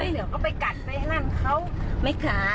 เดี๋ยวเขาไปกัดไปนั่งเขาไม่ค้า